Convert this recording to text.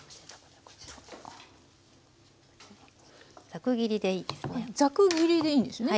ザク切りでいいですね。